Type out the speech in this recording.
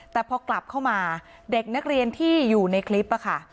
แต่พอกลับเข้ามาเด็กนักเรียนที่อยู่ในคลิปค่ะ